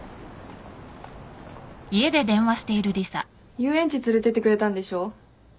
遊園地連れてってくれたんでしょ？